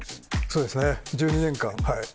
そうですね１２年間。